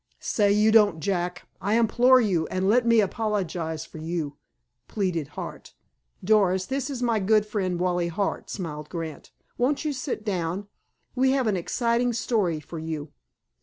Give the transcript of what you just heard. "Say you don't, Jack, I implore you, and let me apologize for you," pleaded Hart. "Doris, this is my good friend, Wally Hart," smiled Grant. "Won't you sit down? We have an exciting story for you."